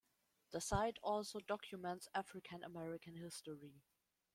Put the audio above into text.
The site also documents African-American history.